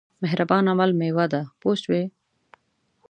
مهربان عمل مېوه ده پوه شوې!.